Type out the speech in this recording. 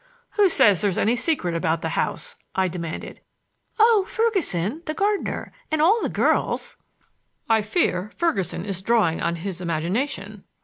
"Who says there's any secret about the house?" I demanded. "Oh, Ferguson, the gardener, and all the girls!" "I fear Ferguson is drawing on his imagination."